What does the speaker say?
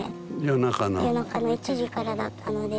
夜中の１時からだったので。